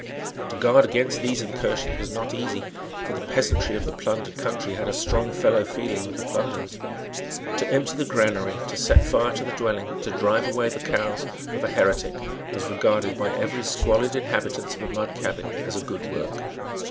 To guard against these incursions was not easy; for the peasantry of the plundered country had a strong fellow feeling with the plunderers. To empty the granary, to set fire to the dwelling, to drive away the cows, of a heretic was regarded by every squalid inhabitant of a mud cabin as a good work.